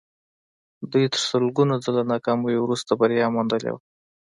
دوی تر سلګونه ځله ناکامیو وروسته بریا موندلې ده